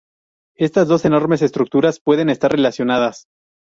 Estas dos enormes estructuras pueden estar relacionadas.